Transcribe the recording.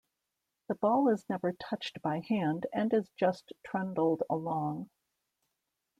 The ball is never touched by hand and is just trundled along.